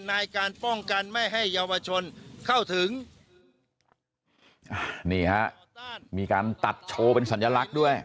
ในการป้องกันไม่ให้เยาวชนเข้าถึงนี่ฮะมีการตัดโชว์เป็นสัญลักษณ์ด้วย